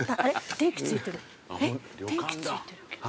電気ついてるけど。